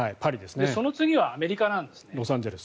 その次はアメリカなんです。